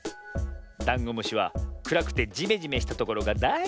ダンゴムシはくらくてジメジメしたところがだいすき。